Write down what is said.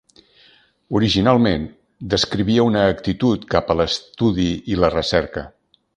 Originalment, descrivia una actitud cap a l'estudi i la recerca.